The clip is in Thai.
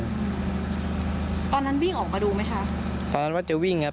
ตอนนั้นวิ่งออกมาดูไหมคะตอนนั้นว่าจะวิ่งครับ